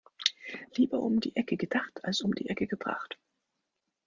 Lieber um die Ecke gedacht als um die Ecke gebracht.